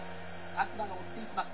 各馬が追っていきます。